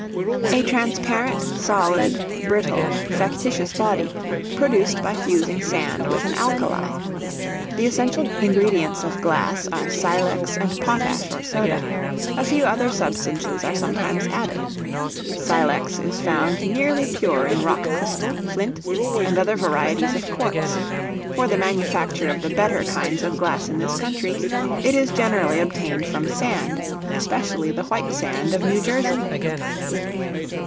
A transparent, solid, brittle, factitious body, produced by fusing sand with an alkali. The essential ingredients of glass are silex and potash, or soda; a few other substances are sometimes added. Silex is found nearly pure in rock crystal, flint, and other varieties of quartz; for the manufacture of the better kinds of glass in this country, it is generally obtained from sand, especially the white sand of New Jersey.